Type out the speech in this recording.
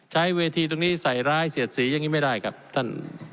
ใช้เวทีตรงนี้ใส่ร้ายเสียดสีอย่างนี้ไม่ได้ครับท่าน